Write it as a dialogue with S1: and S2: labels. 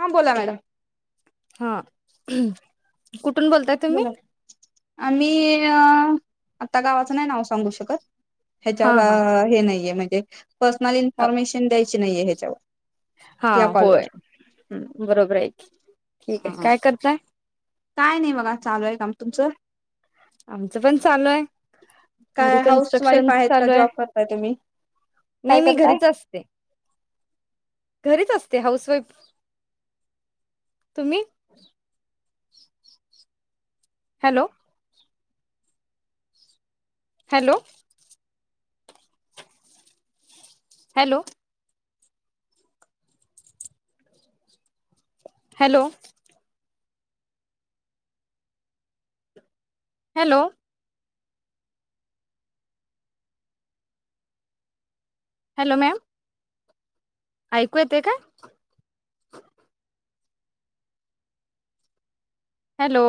S1: हा बोला मॅडम
S2: हा कुठ कुठून बोलताय तुम्ही?
S1: बोला आम्ही आता गावाचं नाही नाव सांगू शकत
S2: हा
S1: ह्याच्यावर
S2: हा
S1: हे नाहीये म्हण ते
S2: हा
S1: या
S2: होय
S1: कॉलवर
S2: बरोबर आहे ठीक आहे, काय करताय?
S1: काय नाही बघा चालू आहे काम तुमचं
S2: आमचं पण चालू आहे घरी
S1: काय हाऊस वाईफ
S2: कन्स्ट्रक्शन
S1: आहेत का
S2: चालू आहे
S1: जॉब करताय तुम्ही
S2: नाही
S1: काय
S2: मी
S1: करताय
S2: घरीच असते घरीच असते हाऊसवाईफ तुम्ही hello hello hello hello hello hello ma'am ऐकू येते का? हॅलो